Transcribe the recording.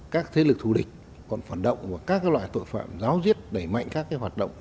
các thế lực thù địch còn phản động và các loại tội phạm giáo diết đẩy mạnh các hoạt động